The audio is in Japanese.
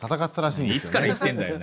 いつから生きてんだよ。